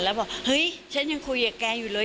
แล้วบอกเฮ้ยฉันยังคุยกับแกอยู่เลย